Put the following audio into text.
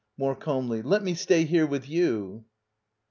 [More calmly.] Let me stay here with you.